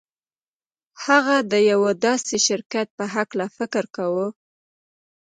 هغه د یوه داسې شرکت په هکله فکر کاوه